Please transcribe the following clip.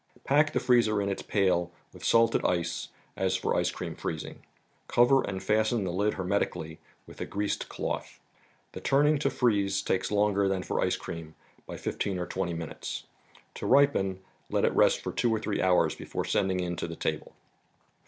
Pack the freezer in its pail with salted ice as for ice cream freezing. Cover and fas¬ ten the lid hermetically with a greased cloth. The turn¬ ing to freeze takes longer than for ice cream by fifteen or twenty minutes. To ripen let it rest for two or three hours before sending in to the table.